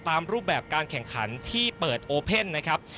รูปแบบการแข่งขันที่เปิดโอเพ่นนะครับ